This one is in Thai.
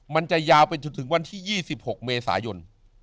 มันจะยาวไปจนถึงวันที่๒๖เมษายน